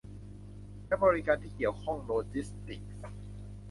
และบริการที่เกี่ยวข้องโลจิสติกส์